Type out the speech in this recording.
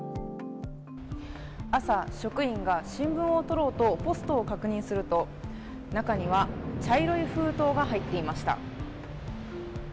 朝、職員が新聞を取ろうとポストを確認すると中には茶色い封筒が入っていました。